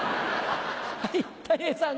はいたい平さん。